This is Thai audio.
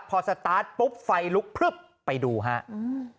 พอสตราศิปุ๊บไฟลุคไปดูครับ